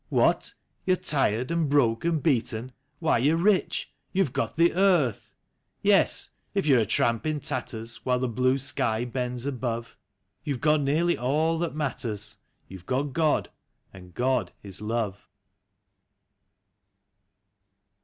What ! you're tired and broke and beaten ?— Why, you're rich — you've got the earth ! Yes, if you're a tramp in tatters. While the blue sky bends above. You've got nearly all that matters. You've got God, and God is love.